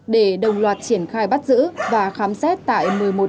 để đồng loạt triển khai bắt giữ và khám xét tại bộ công an